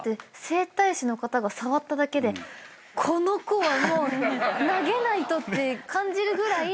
整体師の方が触っただけで「この子はもう投げないと」って感じるぐらい。